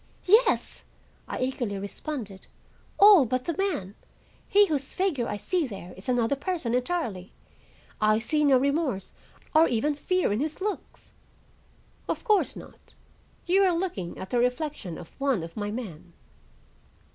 "Yes," I eagerly responded. "All but the man. He whose figure I see there is another person entirely; I see no remorse, or even fear, in his looks." "Of course not. You are looking at the reflection of one of my men.